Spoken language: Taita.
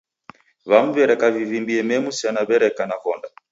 W'amu w'eka w'ivimbie memu sena w'ereka na vonda.